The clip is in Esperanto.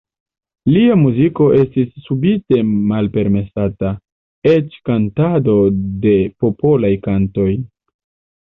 Lia muziko estis subite malpermesata, eĉ kantado de popolaj kantoj.